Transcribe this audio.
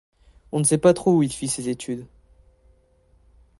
On ne sait pas trop où il fit ses études.